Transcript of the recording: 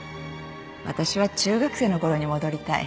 私は中学生のころに戻りたい。